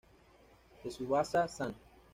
Tsubasa Sano